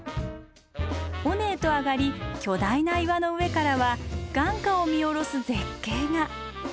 尾根へと上がり巨大な岩の上からは眼下を見下ろす絶景が。